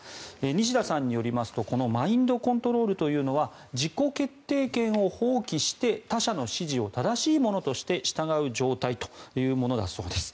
西田さんによりますとマインドコントロールというのは自己決定権を放棄して他者の指示を正しいものとして従う状態というものだそうです。